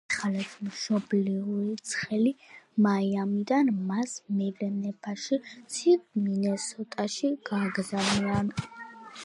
ერთხელაც მშობლიური ცხელი მაიამიდან მას მივლინებაში ცივ მინესოტაში გააგზავნიან.